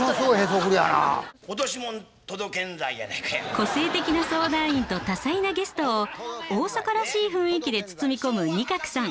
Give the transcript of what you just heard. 個性的な相談員と多彩なゲストを大阪らしい雰囲気で包み込む仁鶴さん。